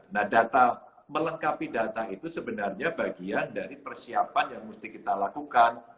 nah data melengkapi data itu sebenarnya bagian dari persiapan yang mesti kita lakukan